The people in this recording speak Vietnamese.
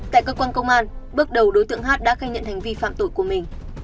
tại cơ quan công an bước đầu đối tượng h t l đã khai nhận hành vi phạm tội của mình